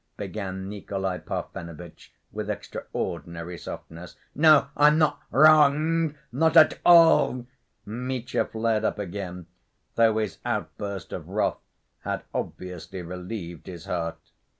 began Nikolay Parfenovitch, with extraordinary softness. "No, I'm not wrong, not at all!" Mitya flared up again, though his outburst of wrath had obviously relieved his heart.